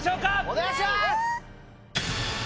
お願いします！